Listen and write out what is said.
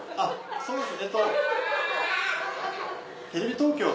そうですね。